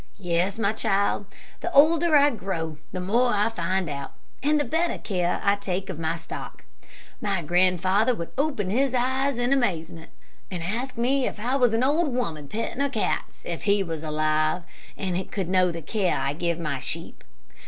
"Yes, my child. The older I grow, the more I find out, and the better care I take of my stock. My grandfather would open his eyes in amazement; and ask me if I was an old women petting her cats, if he were alive, and could know the care I give my sheep.